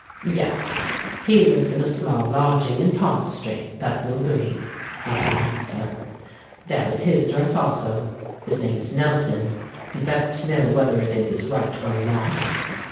"Yes—he lives in a small lodging in Thomas Street, Bethnal Green," was the answer. "There is his address also. His name is Nelson:—you best know whether it is his right one or not.